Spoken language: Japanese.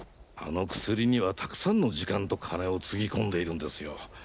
あの薬にはたくさんの時間と金をつぎ込んでいるんですよ。